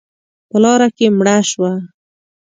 _په لاره کې مړه شوه.